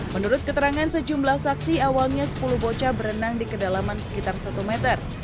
menurut keterangan sejumlah saksi awalnya sepuluh bocah berenang di kedalaman sekitar satu meter